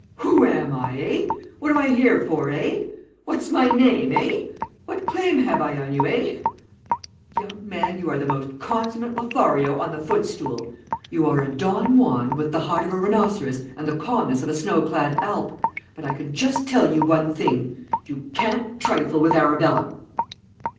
Who am I, eh? What am I here for, eh? What's my name, eh? What claim have I on you, eh? Young man, you are the most consummate Lothario on the footstool. You are a Don Juan with the hide of a rhinoceros and the calmness of a snow clad Alp, but I can just tell you one thing. You can't trifle with Arabella!'